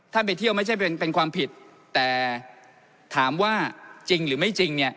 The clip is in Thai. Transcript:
ไปเที่ยวไม่ใช่เป็นความผิดแต่ถามว่าจริงหรือไม่จริงเนี่ย